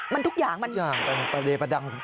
มันทุกอย่างมัน